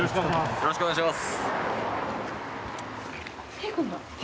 よろしくお願いします